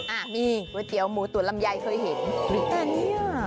อ่ะมีก๋วยเตี๋ยวหมูตัวลำใยเคยเห็นมีอีก